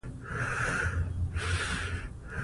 سیلانی ځایونه د افغانستان د چاپیریال د مدیریت لپاره مهم دي.